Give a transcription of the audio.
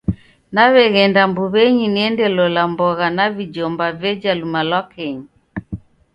Naw'eghenda mbuw'enyi niende lola mbogha na vijomba veja luma lwa kenyi.